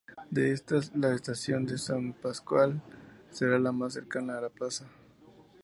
De estas, la estación de San Pasquale será la más cercana a la plaza.